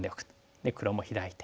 で黒もヒラいて。